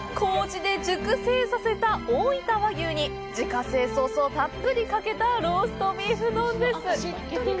麹で熟成させた「おおいた和牛」に自家製ソースをたっぷりかけたローストビーフ丼です。